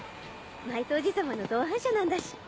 マイトおじ様の同伴者なんだし。